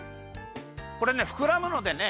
これねふくらむのでね